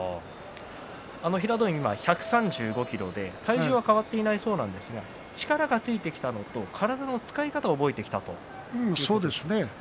平戸海は１３５ｋｇで体重は変わってないそうですが力がついてきたのと体の使い方を覚えてきたと言っています。